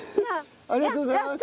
ありがとうございます。